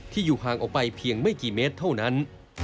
อยู่ห่างออกไปเพียงไม่กี่เมตรเท่านั้น